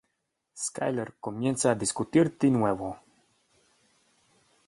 Skyler comienza a discutir de nuevo.